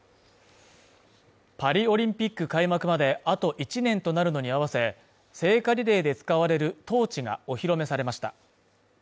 パリオリンピック開幕まであと１年となるのに合わせ聖火リレーで使われるトーチがお披露目されました